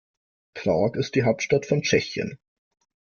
Prag ist die Hauptstadt von Tschechien.